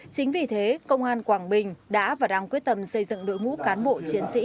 chính vì thế công an quảng bình đã và đang quyết tâm xây dựng đội ngũ cán bộ chiến sĩ